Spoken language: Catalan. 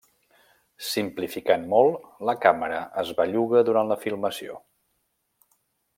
Simplificant molt, la càmera es belluga durant la filmació.